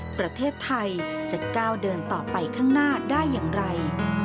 ประเทศไทยจะก้าวเดินต่อไปข้างหน้าได้อย่างไร